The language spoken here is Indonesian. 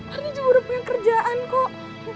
ardi juga udah punya kerjaan kok